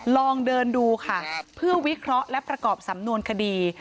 ลองเดินดูค่ะเพื่อวิเคราะห์และประกอบสำนวนคดี